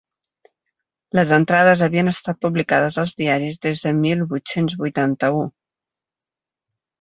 Les entrades havien estat publicades als diaris des de mil vuit-cents vuitanta-u.